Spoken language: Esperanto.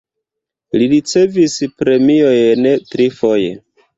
Li ricevis premiojn trifoje.